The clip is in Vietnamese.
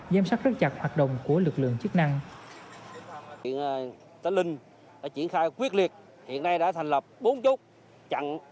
giám sát rất chặt hoạt động của lực lượng chức năng